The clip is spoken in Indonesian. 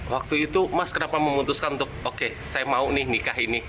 waktu itu mas kenapa memutuskan untuk oke saya mau nih nikah ini